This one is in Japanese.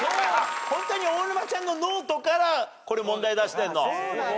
ホントに大沼ちゃんのノートから問題出してんの？